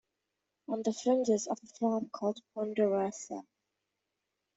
On the fringes is a farm called "Ponderosa".